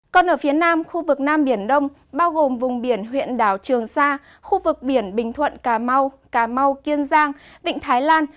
còn ở phía nam khu vực nam biển đông bao gồm vùng biển huyện đảo trường sa khu vực biển bình thuận cà mau cà mau kiên giang vịnh thái lan